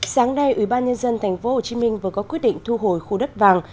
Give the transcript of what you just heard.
sáng nay ủy ban nhân dân tp hcm vừa có quyết định thu hồi khu đất vàng